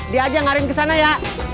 dia aja yang ngariin kesana ya